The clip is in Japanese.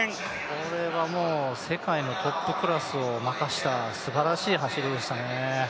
これは世界のトップクラスレベルのすばらしい走りでしたね。